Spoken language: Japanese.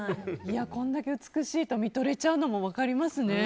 これだけ美しいと見とれちゃうのも分かりますね。